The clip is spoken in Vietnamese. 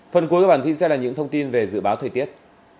phần cuối của bản tin sẽ là những thông tin về dự báo thời tiết